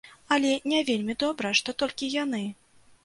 Але не вельмі добра, што толькі яны.